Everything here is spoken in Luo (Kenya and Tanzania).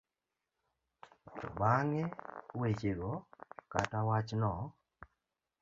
To bang'e, wechego kata wachno